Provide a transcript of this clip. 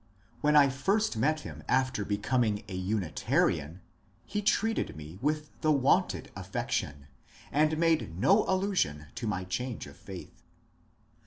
When I first met him after becoming a Unitarian he treated me with the wonted affection, and made no allusion to my change of faith.